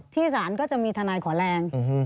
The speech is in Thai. ที่ศาลก็จะมีทนายขอแรง